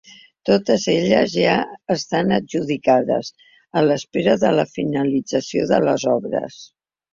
Totes elles ja estan adjudicades, a l’espera de la finalització de les obres.